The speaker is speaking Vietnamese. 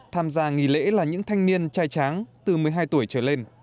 tham gia nghỉ lễ là những thanh niên trai tráng từ một mươi hai tuổi trở lên